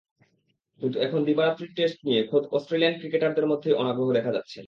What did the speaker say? কিন্তু এখন দিবা-রাত্রির টেস্ট নিয়ে খোদ অস্ট্রেলিয়ান ক্রিকেটারদের মধ্যেই অনাগ্রহ দেখা যাচ্ছে।